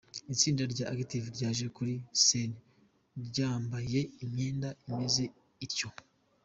Itsinda rya Active ryaje kuri scene ryambaye imyenda imeze ityo.